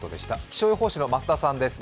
気象予報士の増田さんです。